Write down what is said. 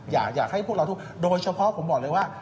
อยากให้พวกเราทุกโดยเฉพาะผมบอกเลยว่า